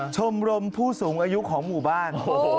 ชมรมผู้สูงอายุของหมู่บ้าน